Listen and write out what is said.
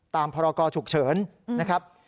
พรกรฉุกเฉินนะครับ